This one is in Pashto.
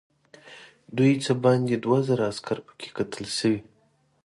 دوی څه باندې دوه زره عسکر پکې قتل شوي.